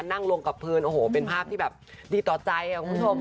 นั่งลงกับพื้นโอ้โหเป็นภาพที่แบบดีต่อใจคุณผู้ชม